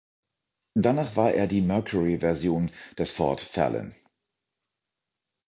Danach war er die Mercury-Version des Ford Fairlane.